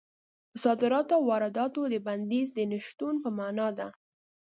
په صادراتو او وارداتو د بندیز د نه شتون په مانا ده.